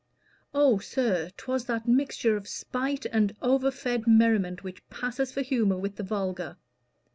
"Oh, sir, 'twas that mixture of spite and over fed merriment which passes for humor with the vulgar.